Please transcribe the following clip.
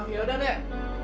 ya udah nek